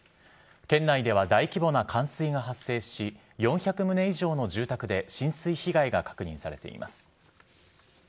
県内では大規模な冠水が発生し、４００棟以上の住宅で浸水被害が確認されています。